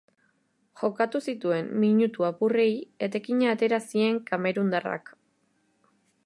Jokatu zituen minutu apurrei etekina atera zien kamerundarrak.